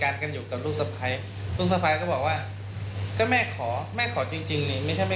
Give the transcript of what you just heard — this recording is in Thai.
วันนั้นเขาไปพูดคุยมีใครบ้าง